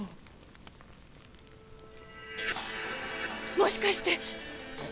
もしかして！